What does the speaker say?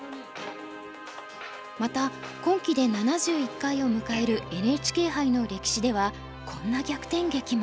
また今期で７１回を迎えるＮＨＫ杯の歴史ではこんな逆転劇も。